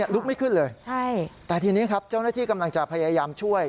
ลุกไม่ขึ้นเลยใช่แต่ทีนี้ครับเจ้าหน้าที่กำลังจะพยายามช่วย